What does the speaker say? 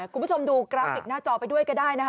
คุณผู้ชมดูกราฟิกหน้าจอไปด้วยก็ได้นะคะ